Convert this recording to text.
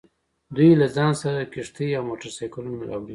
دوی له ځان سره کښتۍ او موټر سایکلونه راوړي